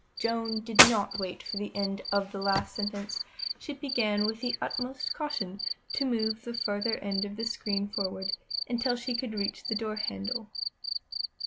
Joan did not wait for the end of the last sentence. She began with the utmost caution to move the farther end of the screen forward, until she could reach the door handle.